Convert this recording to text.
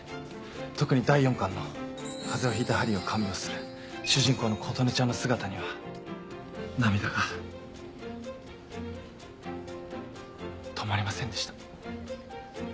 特に第４巻の風邪をひいたハリーを看病する主人公の琴音ちゃんの姿には涙が止まりませんでした。